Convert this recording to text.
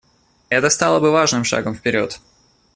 Это стало бы важным шагом вперед.